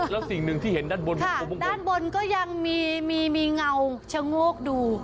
แล้วสิ่งหนึ่งที่เห็นด้านบนด้านบนก็ยังมีมีเงาชะโงกดู